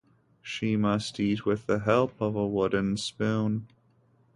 She must eat with the help of a wooden spoon.